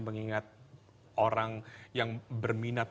mengingat orang yang berminat